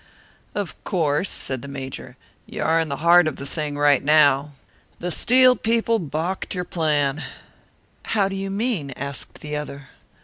"Of course," said the Major, "you are in the heart of the thing right now. The Steel people balked your plan." "How do you mean?" asked the other.